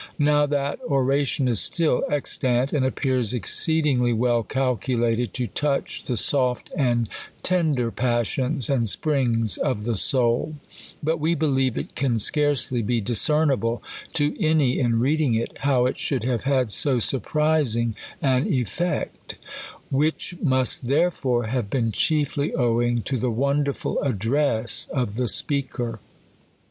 Now that oration is still extant, and appears exceedingly well calculated to touch the soft and tender passions and springs of the soul ; but v»'c believe it can scarcely be discernible to any, in reading it, how it should have had so surprising an effect ; which must therefore have been chiefly ow ing to the wonderful address of the speaker.